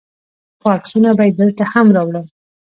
څو عکسونه به یې دلته هم راوړم.